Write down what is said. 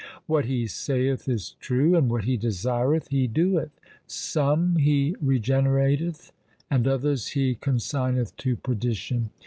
What He saith is true, and what He desireth He doeth. Some He regenerateth, and others He consigneth to perdition.